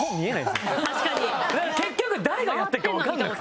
結局誰がやったかわかんなくて。